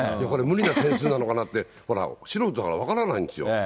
これ無理な点数差なのかなって、素人だから分からないんですよ。